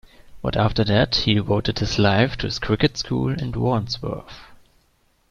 But after that he devoted his life to his cricket school in Wandsworth.